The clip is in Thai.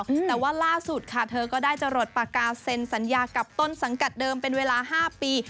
แต่ว่าล่าสุดค่ะเธอก็ได้จะหลดปากกาเซ็นสัญญากับต้นสังกัดเดิมเป็นเวลาห้าปี